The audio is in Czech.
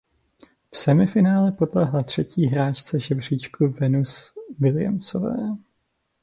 V semifinále podlehla třetí hráčce žebříčku Venus Williamsové.